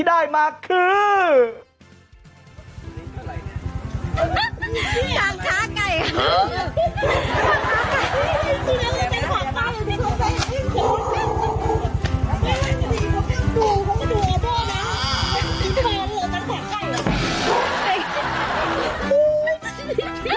โอ้โหโอ้โห